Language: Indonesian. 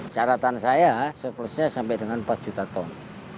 caratan saya surplusnya sampai dengan empat juta ton